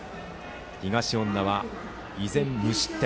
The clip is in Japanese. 東恩納は依然、無失点。